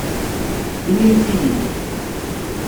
Inimt-iyi-d.